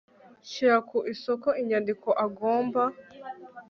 shyira ku isoko inyandiko agomba